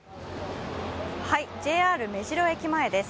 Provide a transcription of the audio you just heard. ＪＲ目白駅前です。